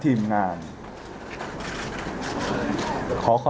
พร้อมแล้วเลยค่ะ